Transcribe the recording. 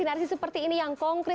mana presiden yang bekerja